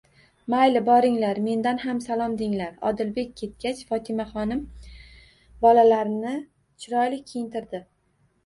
Mayli, boringlar. Mendan ham salom denglar. Odilbek ketgach, Fotimaxonim bolalarini chiroyli kiyintirdi.